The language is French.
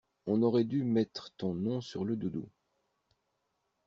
On aurait du mettre ton nom sur le doudou.